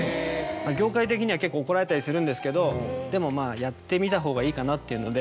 業界的には結構怒られたりするんですけどでもまぁやってみたほうがいいかなっていうので。